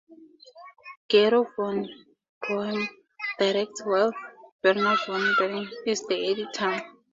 Gero von Boehm directs while Werner von Bergen is the editor.